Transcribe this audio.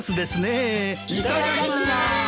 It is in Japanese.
いただきます！